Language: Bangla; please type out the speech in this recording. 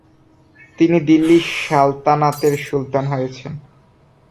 তিনি দিল্লী সালতানাতের সুলতান হয়েছেন।